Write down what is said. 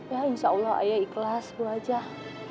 ya insya allah ayah ikhlas bu ajiah